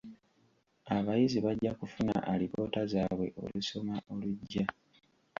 Abayizi bajja kufuna alipoota zaabwe olusoma olujja.